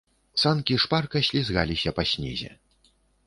Санкі шпарка слізгаліся па снезе.